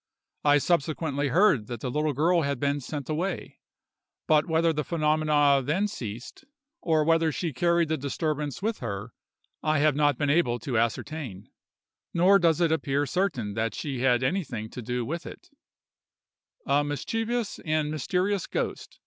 I subsequently heard that the little girl had been sent away; but whether the phenomena then ceased, or whether she carried the disturbance with her, I have not been able to ascertain, nor does it appear certain that she had anything to do with it:— "A MISCHIEVOUS AND MYSTERIOUS GHOST.